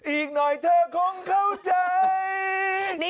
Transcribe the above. อีกหน่อยเธอคงเข้าใจ